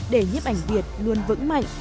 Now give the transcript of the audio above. để nhấp ảnh việt luôn vững mạnh